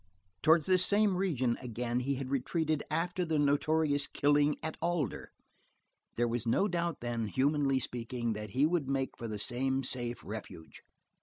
Towards this same region, again, he had retreated after the notorious Killing at Alder. There was no doubt, then, humanly speaking, that he would make for the same safe refuge.